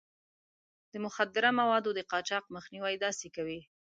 د مخدره موادو د قاچاق مخنيوی داسې کوي.